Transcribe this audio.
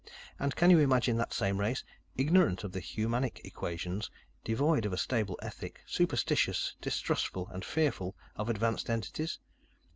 And can you imagine that same race, ignorant of the humanic equations, devoid of a stable ethic, superstitious, distrustful and fearful of advanced entities?